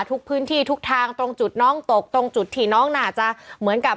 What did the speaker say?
ทุกพื้นที่ทุกทางตรงจุดน้องตกตรงจุดที่น้องน่าจะเหมือนกับ